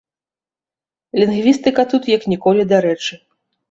Лінгвістыка тут як ніколі дарэчы.